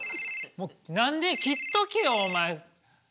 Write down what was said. なんで切っとけよお前。